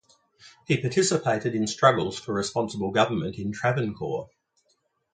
He participated in struggles for responsible government in Travancore.